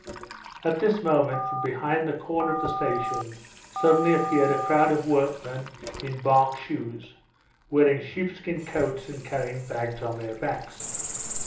At this moment from behind the corner of the station suddenly appeared a crowd of workmen in bark shoes, wearing sheepskin coats and carrying bags on their backs.